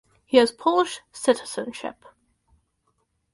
He has Polish citizenship.